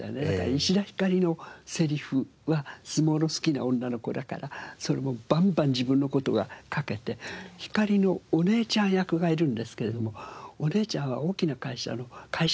石田ひかりのせりふは相撲の好きな女の子だからそれもバンバン自分の事が書けてひかりのお姉ちゃん役がいるんですけれどもお姉ちゃんは大きな会社の会社員なんですね。